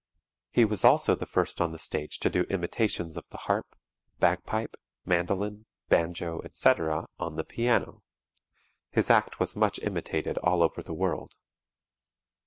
He was also the first on the stage to do imitations of the harp, bagpipe, mandolin, banjo, etc., on the piano. His act was much imitated all over the world.